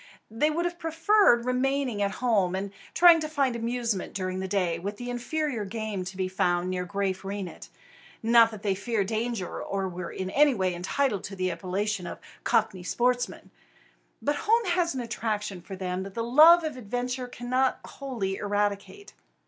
They would have preferred remaining at home and trying to find amusement during the day with the inferior game to be found near Graaf Reinet, not that they fear danger or were in any way entitled to the appellation of "cockney sportsmen"; but home has an attraction for them that the love of adventure cannot wholly eradicate.